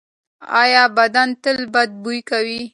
ایا بدن تل بد بوی کوي؟